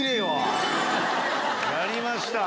やりました。